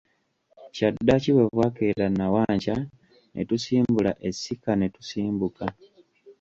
Kyaddaaki bwe bwakeera nnawankya ne tusimbula essika ne tusimbuka.